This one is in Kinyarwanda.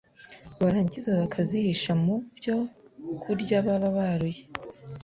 barangiza bakazihisha mu byo kurya baba baruye